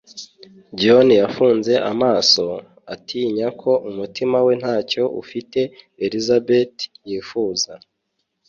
John yafunze amaso, atinya ko umutima we ntacyo ufite Elisabeth yifuza.